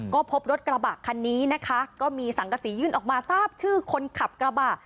ก็พบรถกระบะคันนี้นะคะก็มีสังกษียื่นออกมาทราบชื่อคนขับกระบะ